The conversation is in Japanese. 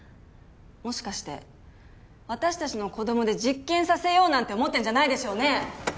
もしかして私達の子供で実験させようなんて思ってんじゃないでしょうね？